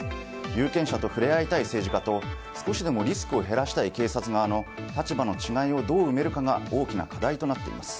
有権者と触れ合いたい政治家と少しでもリスクを減らしたい警察側の立場の違いをどう埋めるかが大きな課題となっています。